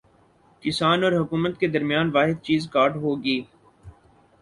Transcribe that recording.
کسان اور حکومت کے درمیان واحد چیز کارڈ ہوگی